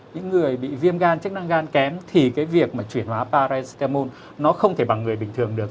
những người bị viêm gan chức năng gan kém thì cái việc mà chuyển hóa paraistamon nó không thể bằng người bình thường được